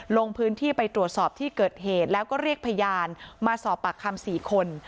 ลงพื้นที่ไปตรวจสอบที่เกิดเหตุแล้วก็เรียกพยานมาสอบปากคำ๔คน